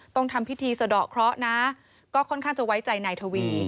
ทำพิธีสะดอกเคราะห์นะก็ค่อนข้างจะไว้ใจนายทวี